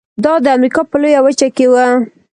دا د امریکا په لویه وچه کې و.